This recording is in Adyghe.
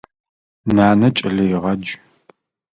Нанэ кӏэлэегъадж.